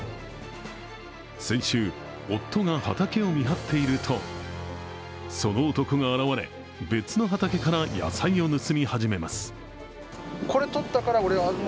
先週、夫が畑を見張っているとその男が現れ、別の畑から野菜を盗み始めます。